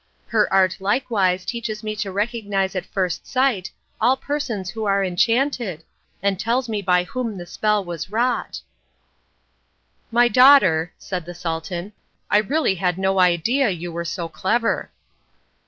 Her art likewise teaches me to recognise at first sight all persons who are enchanted, and tells me by whom the spell was wrought." "My daughter," said the Sultan, "I really had no idea you were so clever."